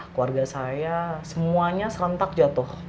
keluarga saya semuanya serentak jatuh